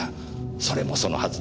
それもそのはずです。